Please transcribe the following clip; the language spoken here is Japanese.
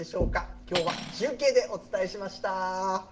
きょうは中継でお伝えしました。